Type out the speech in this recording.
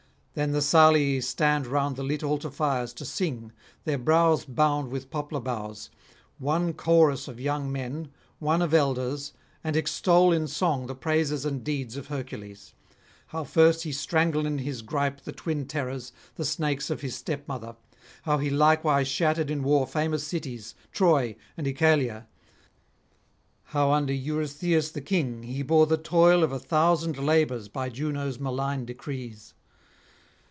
Then the Salii stand round the lit altar fires to sing, their brows bound with poplar boughs, one chorus of young men, one of elders, and extol in song the praises and deeds of Hercules; how first he strangled in his gripe the twin terrors, the snakes of his stepmother; how he likewise shattered in war famous cities, Troy and Oechalia; how under Eurystheus the King he bore the toil of a thousand labours by Juno's malign decrees.